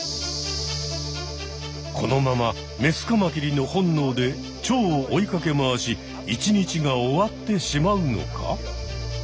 このままメスカマキリの本能でチョウを追いかけ回し一日が終わってしまうのか。